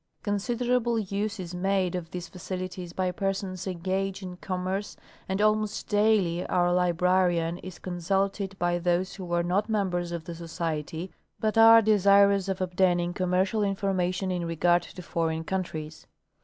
Considerable use is made of these facilities by persons engaged in commerce, and almost daily our librarian is consulted by those who are not members of the Society, but are desirous of obtaining commercial information in regard to foreign countries.